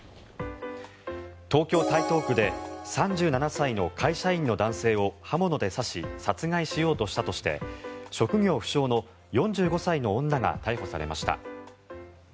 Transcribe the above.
東京・台東区で３７歳の会社員の男性を刃物で刺し殺害しようとしたとして職業不詳の４５歳の女が逮捕されました。